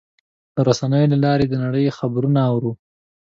د رسنیو له لارې د نړۍ خبرونه اورو.